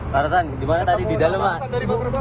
pak rosan gimana tadi di dalam pak